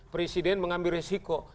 presiden mengambil resiko